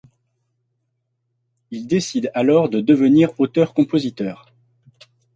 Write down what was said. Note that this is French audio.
Il décide alors de devenir auteur-compositeur.